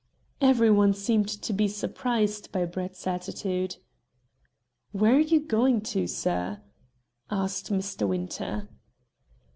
Every one seemed to be surprised by Brett's attitude. "Where are you going to, sir?" asked Mr. Winter.